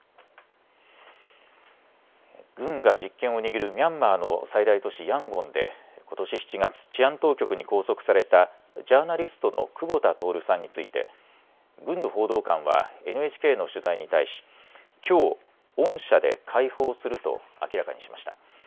軍が実権を握るミャンマーの最大都市、ヤンゴンでことし７月、治安当局に拘束されたジャーナリストの久保田徹さんについて軍の報道官はＮＨＫの取材に対しきょう、恩赦で解放すると明らかにしました。